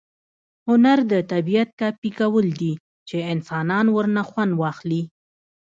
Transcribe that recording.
هنر د طبیعت کاپي کول دي، چي انسانان ورنه خوند واخلي.